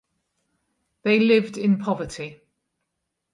They lived in poverty.